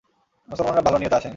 মুসলমানরা ভাল নিয়তে আসেনি।